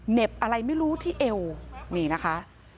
เห็บอะไรไม่รู้ที่เอวนี่นะคะ